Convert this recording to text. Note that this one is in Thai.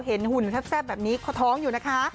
เห็นหุ่นแทบแบบนี้ท้องอยู่นะคะ